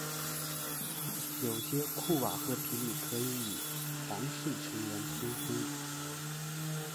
有些库瓦赫皮利可以与皇室成员通婚。